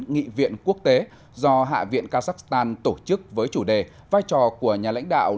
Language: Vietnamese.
nghị viện quốc tế do hạ viện kazakhstan tổ chức với chủ đề vai trò của nhà lãnh đạo